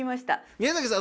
宮崎さん